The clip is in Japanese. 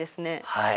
はい。